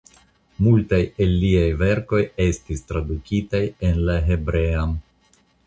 Multaj el liaj verkoj estis tradukitaj en la hebrean.